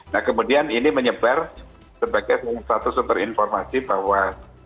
nah kemudian ini menyebar sebagai satu sumber informasi bahwa